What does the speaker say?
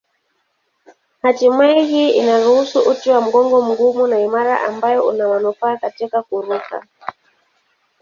Hatimaye hii inaruhusu uti wa mgongo mgumu na imara ambayo una manufaa katika kuruka.